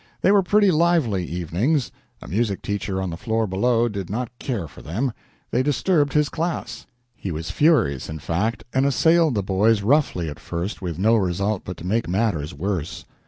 They were pretty lively evenings. A music teacher on the floor below did not care for them they disturbed his class. He was furious, in fact, and assailed the boys roughly at first, with no result but to make matters worse.